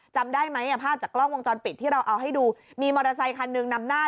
จำได้ไหมภาพจากกล้องวงจรปิดที่เราเอาให้ดูมีมอเตอร์ไซคันหนึ่งนำหน้า